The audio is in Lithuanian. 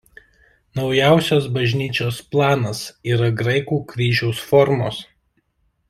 Naujosios bažnyčios planas yra graikų kryžiaus formos.